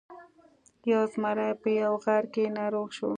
یو زمری په یوه غار کې ناروغ شو.